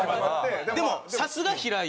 でもさすが平井。